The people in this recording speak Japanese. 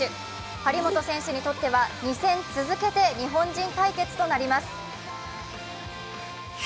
張本選手にとっては２戦続けて日本人対決となります。